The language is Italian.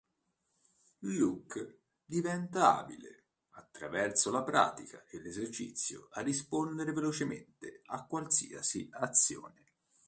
L'uke diventa abile, attraverso la pratica e l'esercizio a rispondere velocemente a qualsiasi azione.